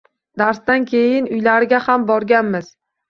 Darsdan keyin uylariga ham borganmiz